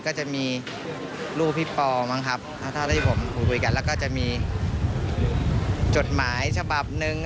ก็จะมีรูปพี่ปแล้วก็จะมีกดหมายฉบับหนึ่ง